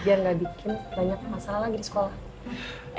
biar gak bikin banyak masalah lagi di sekolah